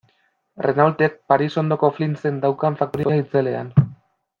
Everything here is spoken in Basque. Renaultek Paris ondoko Flinsen daukan faktoria itzelean.